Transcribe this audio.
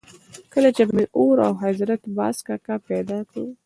کله چې به مې اور او حضرت باز کاکا پیدا کړل.